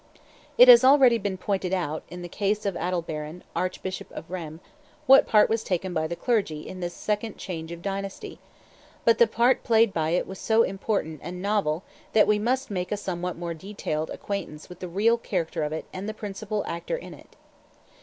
[Illustration: "Who made thee King?" 302] It has already been pointed out, in the case of Adalberon, archbishop of Rheims, what part was taken by the clergy in this second change of dynasty; but the part played by it was so important and novel that we must make a somewhat more detailed acquaintance with the real character of it and the principal actor in it.